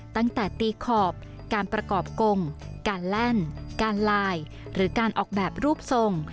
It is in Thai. ตั้งแต่ตีขอบการประกอบกงการแล่นการลายหรือการออกแบบรูปทรง